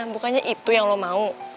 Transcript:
bukannya itu yang lo mau